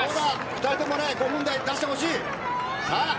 ２人とも５分台を出してほしい。